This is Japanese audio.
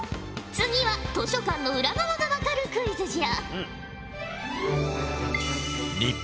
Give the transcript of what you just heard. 次は図書館の裏側が分かるクイズじゃ。